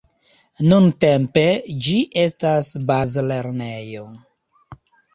Nuntempe ĝi estas bazlernejo.